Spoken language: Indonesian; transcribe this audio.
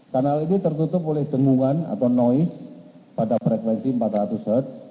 kanal ini tertutup oleh dengungan atau noise pada frekuensi empat ratus h